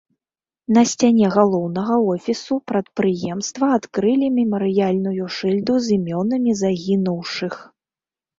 На сцяне галоўнага офісу прадпрыемства адкрылі мемарыяльную шыльду з імёнамі загінуўшых.